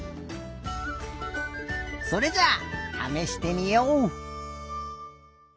それじゃあためしてみよう！